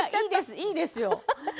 いいですよ。